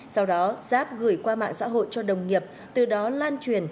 sau đó giáp gửi qua mạng xã hội cho đồng nghiệp từ đó lan truyền